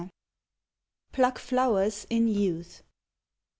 PLUCK FLOWERS IN YOUTH.